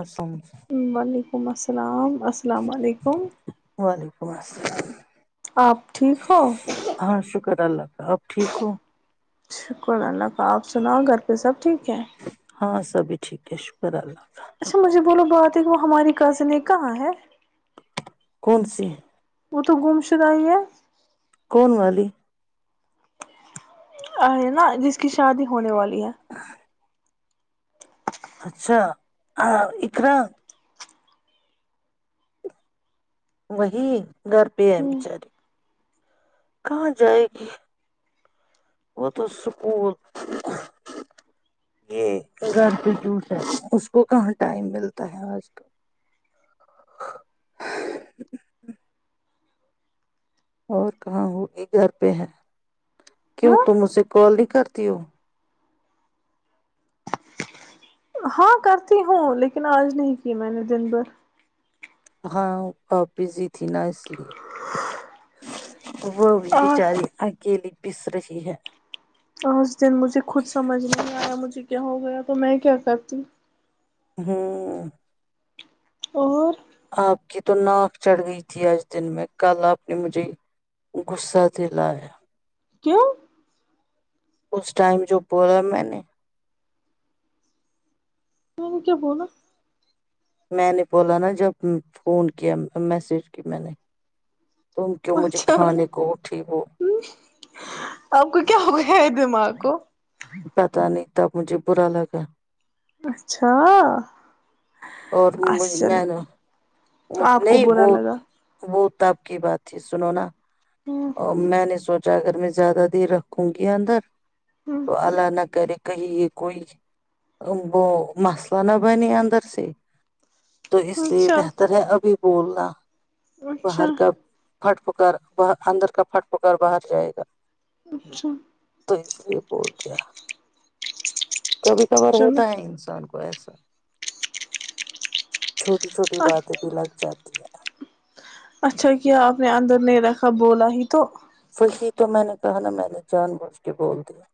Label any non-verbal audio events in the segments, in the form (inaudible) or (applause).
اسسام (unintelligible) یکم السلام (unintelligible) السلام علیکم وعلیکم السلام آپ ٹھیک ہو ہاں شکر اللہ کا اپ ٹھیک ہو شکر اللہ کا آپ سناؤ گھر پہ سب ٹھیک چ (unintelligible) ہاں سبھی ٹھیک ہے شکر اللہ کا اچھا مجھے بولو بات ہے کہ وہ ہماری کزن ہے کہاں ہے کون سے وہ تو گم شدائی ہے کون والی ا نا (unintelligible) جس کی شادی ہونے والی ہے اچھا اقرا وہی گھر پہ ہے بچاریے کہاں جائے گی وہ تو اسکول یہٹیٹ ہے اس کو کہاں ٹائم ملتا ہے آج تو اور کہاں ہوں یہ گھر پہ ہے کیوں ہاں تو مجے کال نہیں کرتی ہو ہاں کرتی ہوں لیکن آج نہیں کی میں نے دن بھر ہاں آپ بزی تھی نا اس لیے وہ بھی آج بچاری اکیلی پس رہی ہے اور دن مجتھ سے خوود سمجھ میں آ م کیا ہو گیا تو میں کیا کرتی ہاں (unintelligible) آپ کی تو ناک چڑھ گئی تھی آج دن میں کل آپ نے مجھے غصہ دلایا کیوں اس ٹائم جو بولا میں نے کیا بنا میں نے بولا نا جب فون کیا میسج کی میں نے تم کیوں مجھے اچھا کھانے کو اٹھی وہ ہ آپ کا کیا ہو گیا ہے دماغ (unintelligible) پت نہیں تب مجھے برا لگا اچھا اور اچھا چلو میں نے مجھے آپ کو نہیں برا ب لگا بت کتاب کی بات تھی سنو نا ہ ا میں نے سوچ جاگر میں زیادہ دیر رکھوں گی اندر ہ تو اللہ نہ کرے کہیں کوئی وہ مسئلہ نہ بنے اندر سے تو اس لیے اچھا بہتر ہے ابھی بلا اچھا پھٹ پکار ب اندر کا پھٹ پکار باہر جائے گا اچھا تو اس لیے بول دیا کبھی کبار چلو ہوتا ہے انسان کو پیسا چھوٹی چھوٹی باتیں بھی لگ جاتی ہیں اچھا کیا آپ نے اندر نہیں رکھا بولا ہی تو ف ہی تو میں نے کہ نا میں نے جان بوجھ کے بول دیا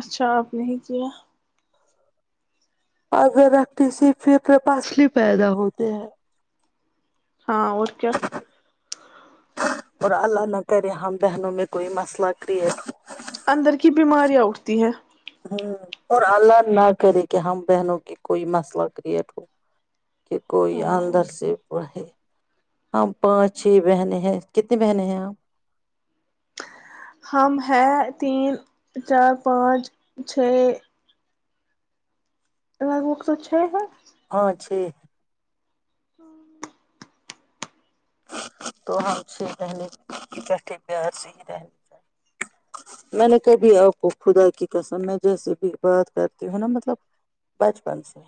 اچھا آپ نے ہی کیا اگرر رکھتی س پھرپاسلی پیدا ہوتے ہیں ہاں اور کیا اور اللہانہ کرے ہم ہم بہن میں کوئی مسئلہ کرریٹ اندر کی بیماریاں اٹھتی ہیں ہ اور اللہ نہ کرے کہ ہم بہنوں کی کوئی مسئلہ کریئٹ ہو کہ کوئی ہاں اندر سے پڑھے ہم پانچ چھ بہنیں ہیں کتنی بہنیں ہیں ہم ہم ہیں تین چار پانچ چھ لگ بگ توو چھ ہے ہاں چھ ہاں تو ہم چھ بہنے بیٹھے پیار سے ہی رہنے چاہیے میں نے کبھی آپ کو خدا کی قسم میں جیسے بھی بات کرتی ہوں نا مطلب بچپن سے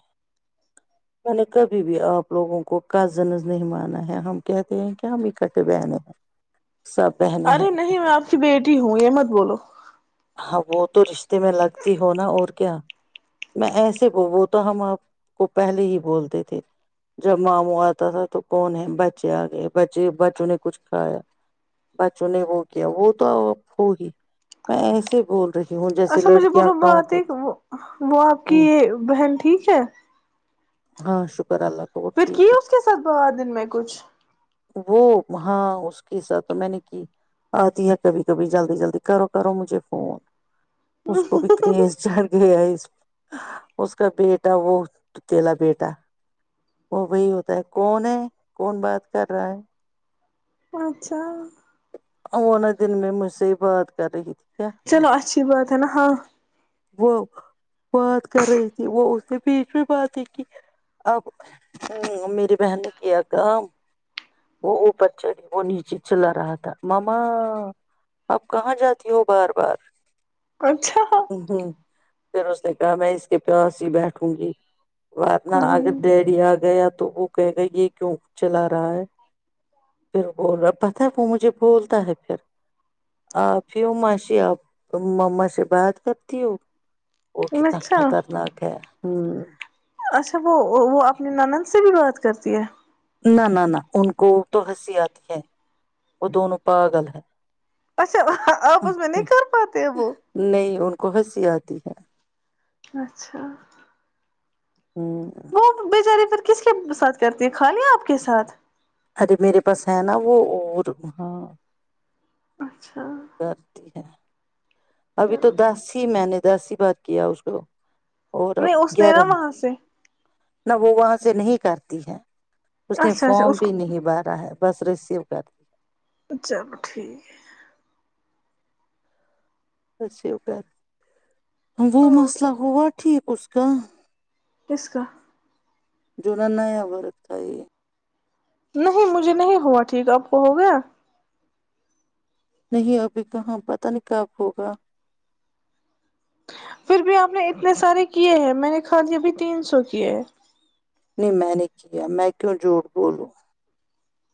میں نے کبھی بھی آپ لوگوں کو کزن نہیں مانا ہے ہم کہتے ہیں کیا ہم اکٹ بہن ہیں سب بہنیں ہیں ارے نہیں میں آپ کی بیٹی ہوں یہ مت بولو ہاں وہ تو رشتے میں لگتی ہو نا اور کیا میں ایسے وہ تو ہم آپ کو پہلے ہی بولتے تھے جب ماموں آتا تھا تو کون ہے ب بچے آ گئے بچے بچوں نے کچھ کھایا بچوں نے وہ کیا وہ تو ہو ہی میں ایسے ہی بول رہی ہوں جیسے اچھا مجھے لڑکیاں بولو بات کاؤنٹ ایک ہوتی وہ آپ کی ہیں۔ یہ بہن ٹھیک ہے ہاں شکر اللہ کا وہ پھر کی ٹھیک اس ہے کے ساتھ باد میں کچھ وہ ہاں اس کے ساتھ تو میں نے کی آتی ہے کبھی کبھی جلدی جلدی کرو کرو مجھے فون اس کو بھی کرریز چڑ گیا اس اس کا بیٹا وہ اکلا بیٹا وہ وہی ہوتا ہے کون ہے کون بات کر رہا ہے اچھا وہ دن میں مجھ سے ہی بات کر رہی تھی کیا چلو اچھی بات ہے نا ہاں وہ بات کر رہی تھی وہ اس کے بییچ بھی بات ہے کہ اب میری بہن نے کیا کام وہ اوپر چڑی وہ نیچے چلا رہا تھا ماما اپ کہاں جاتی ہو بار بار اچھا پھر اس نے کہا میں اس کے پیاس ہی بیٹھوں گی واتنہ اگر ڈیری آ گیا تو وہ کہ گا یہ کیوں چلا رہا ہے پھر بول رہا پتا وہ مجھے بولتا ہے پھر آپ ہیوں ماشی آپ ما سے بات کرتی ہو وہ کتنا اچھا خطرناک ہے ہاں اچھا وہ وہ اپنی نند سے بھی بات کرتی ہے نہ نہ نہ ان کو تو ہنسی آتی ہے وہ دونوں پاگل ہے اچھا آپس میں نہیں کر پاتے وہ نہیں ان کو ہنسی آتی ہے اچھا ہمم مب بچاری پھر کس کے ساتھ کرتی ہیں خالی آپ کے ساتھ ارے میرے پاس ہے نا وہ اور ہاں اچھا کرتی ہے ابھی تو چلو دس ٹھیک ہی میں نے دس ہی بات کیا اس کو اور اب نہیں اس نے نا گیارہ وہاں سے نہ وہ وہاں سے نہیں کرتی ہے اس نے اچھا اچھا فارم اس بھی کو نہیں بارا ہے بس رسیو کرتی ہے (unintelligible) چلو ٹھیک ہے (unintelligible) س سی کال وہ مسئلہ اوکے ہوا ٹھیک اس کا ک (inaudible) کس کا جونا ن وارک تھاائی نہیں مجھے نہیں ہوا ٹھیک آپ کو ہو گیا نہیں ابھی کہاں پت نہیںکاب ہوگا پھر بھی آپ نے اتنے سارے کیے ہیں میں نے خالی ابھی تین سو کیے ہے میں نے کیا میں کیوں جھوٹ بولوں م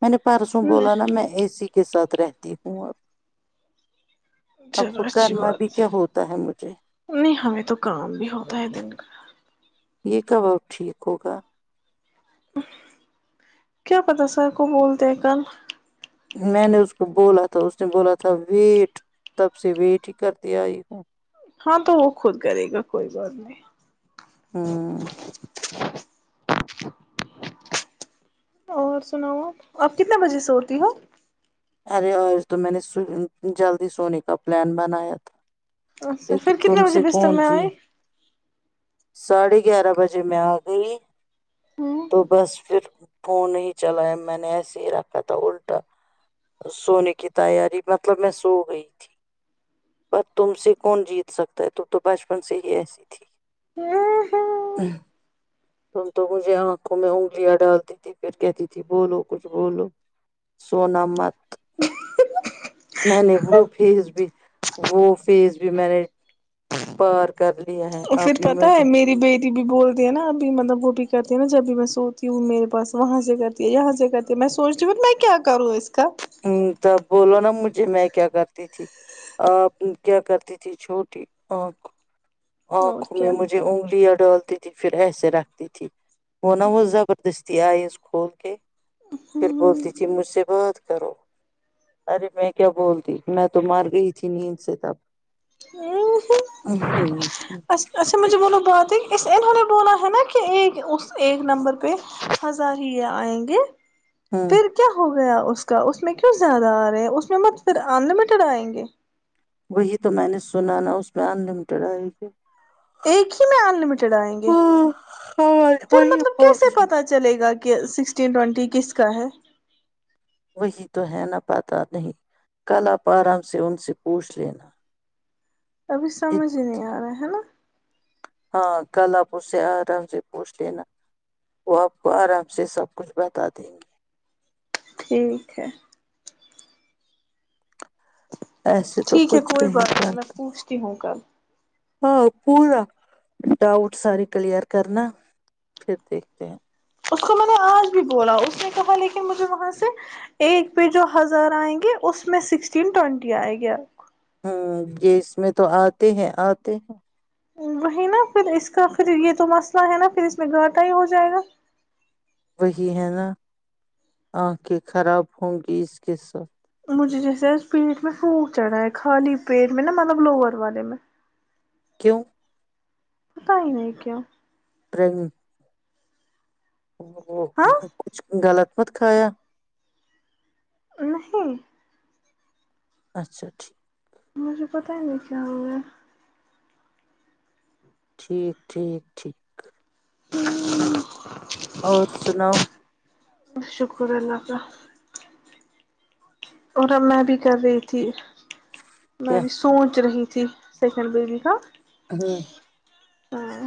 میں نے پرسوں بولا نا میں اے س کے ساتھ رہتی ہوں ا چلو اچھی بات ہوتا ہے مجھے نہیں ہمیں تو کام بھی ہوتا ہے دن کا یہ کباب ٹھیک ہوگا کیا پتا سر کو بولتے ہیں کن میں نے اس کو بولا تھا اس نے بولا تھا ویٹ تب سے ویٹ ہی کرتے آئی ہوں ہاں تو وہ خود کرے گا کوئی بات نہیں ہاں (unintelligible) اور سناؤ آپ آپ کتنے بجے سےوتی ہو ارے آج تو میں نے جلدی سونے کا پلان بنایا تھا اچھا پھر لیکن کتنے تم بجے سے بستر کون میں جی آئے ساڑھے گیارہ بجے میں آ گئی تو بس پھر (unintelligible) فون نہیں چلا ہے میں نے ایسے ہی رکھا تھا الٹا سونے کی تیاری مطلب میں سو گئی تھی پر تم سے کون جیت سکتا ہے ت تو بچپن سے ہی ایسی تھی ہ (inaudible) ہاں تم تو مجھے آنکھوں میں انگلیاں ڈالتی تھی پھر کہتی تھی بولو کچھ بولو سونا مت میں نے وہ فیس بھی وہ فیس بھی میں نے پار کر ل پھر پتا ہے میری بیٹی بھی بولتی ہیں نا ابھی مطلب وہ بھی کرتی ہے نا جب بھی میں سوتی ہوں میرے پاس وہاں سے کرتی ہے یہاں سے کرتی میں سوچتی ہوں میں کیا کروں اس کا ہ تب بولو نا مجھے میں کیا کرتی تھی آ کیا کرتی تھی چھوٹی آ کو اور آنکھوں میں کیا مجھے انگلں ڈال تی تھی پھر ایسے رکھتی تھی وہناا وہ زبردست د آئے اس کھول کے پھر ہ بولتی تھی مجھ سے بعات کرو ارے میں کیا بولتی میں تو مار گئی تھی نیند سے تب ہ جی (inaudible) ا اھا مجھے بولو بات ہی اس انہوں نے بولا ہے نا کہ ایک اس ایک نمبر پہ ہزاریہ آئیں گے ہاں پھر کیا ہوگا رہ اس کا اس میں کیوں زیادہ آ رہے ہیں اس (unintelligible) چڑ آیں گے (unintelligible) وہی تو میں نے سنا نا اس میں ان لمیٹیڈ آئے گی ایک ہی میں انلمیٹڈ آئیں گے ہاں ہاں پھر وہی مطلب بول کیسے رہی پتا چلے گا کہ سکسٹین ٹینٹی کس کا ہے وہی تو ہے نہ پاتا نہیں کل آپ آرام سے ان سے پوچھ لینا ابھی سمجھ ات- ہی نہیں آ رہا ہے نا ہاں کل آپ اس سے آرام سے پوچھ لینا وہ آپ کو آرام سے سب کچھ بتا دیں گے ٹھیک ہے (unintelligible) ایسے تو ٹھیک ہے کچھ کوئی بات نہیں میں پوچھتی ہوں کل ہاں پورا ڈاؤٹ ساریے کلیئر کرنا پھر دیکھتے ہیں اس کو میں نے آج بھی بولا اس نے کہا لیکن مجھے وہاں سے ایک پہ جو ہزار آئیں گے اس میں سکسٹین ٹینٹی آئے گی آپ ہ یہ اس میں تو آتے ہیں آتے ہیں وہی نا پھر اس کا پھر یہ تو مسئلہ ہے نا پھر اس میں گاٹا ہی ہو جائے گا وہی ہے نا آنکھیں خراب ہوں گی اس کے ساتھ مجھے جیسے پیٹ میں پھونک چڑھا ہے خالی پیٹ میں نا مطلب لوور والے میں کیوں (inaudible) پتا ہی نہیں کیاوں رہے گی (inaudible) ا ہاں کچھ غلط (unintelligible) خت کھایا (unintelligible) نہیں اچھا ٹھیک (inaudible) مجھے پتا ہی نہیں کیا ہو ہے ٹھیک ٹھیک ٹھیک ہ (inaudible) اور سناؤ شکر اللہ کا کا اور اب میں بھی کر رہی تھی میں کیا بھی سوچ رہی ت جی سیکنڈ بیبی کا ہاں (unintelligible) اور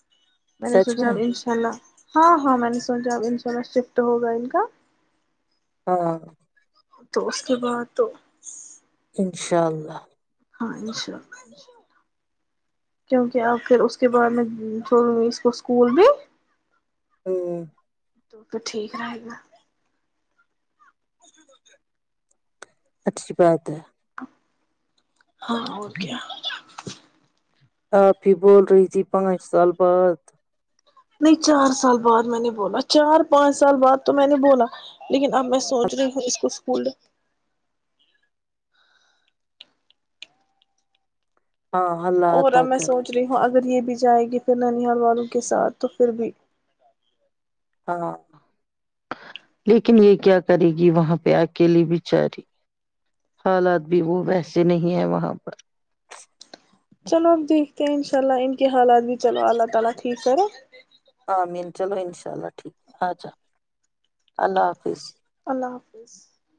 (inaudible) میں نے سوچا اب انشاء اللہ ہاں ہاں میں نے سوچا اب ان شور میں شفٹ ہوگا ان کا ہاں تو اس کے بعد تو انشاء اللہ (unintelligible) ہاں انشاء اللہ انشاءلہ کیونکہ اپ پھر اس کے بعد میں چھوڑوں گی اس کو اسکول بھی ہ (inaudible) تو تو ٹھیک رہے گا بے بتےے (unintelligible) اچھی بات ہے (unintelligible) ہاں ہو کیا آپ ہی بول رہی تھی پانچ سال بعد نہیں چار سال بعد میں نے بولا چار پانچ سال بعد تو میں نے بولا لیکن اب میں سوچ رہی ہوں اس کو اسکول ہاں اللہ اور اب عطا میں کرے سوچ رہی ہوں اگر یہ بھی جائے گی پھر ننیاال والوں کے ساتھ تو پھر بھی ہاں لیکن یہ کیا کرے گی وہاں پہ اکیلی بچاری حالات بھی وہ ویسے نہیں ہے وہاں پر انشاءاللہ ان کے حالات بھی چلو اللہ تعالی ٹھیک کرے آمین انشاء چلو ٹھیک ہے اچھا اللہ حافظ اللہ حافظ (unintelligible)